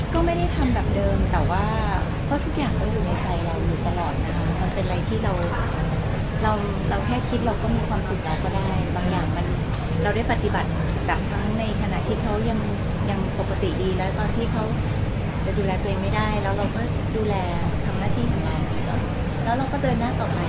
ก็ไม่ได้ทำแบบเดิมแต่ว่าก็ทุกอย่างก็อยู่ในใจเราอยู่ตลอดนะมันเป็นอะไรที่เราเราแค่คิดเราก็มีความสุขเราก็ได้บางอย่างมันเราได้ปฏิบัติแบบทั้งในขณะที่เขายังปกติดีแล้วตอนที่เขาจะดูแลตัวเองไม่ได้แล้วเราก็ดูแลทำหน้าที่ของเราอยู่แล้วแล้วเราก็เดินหน้าต่อไป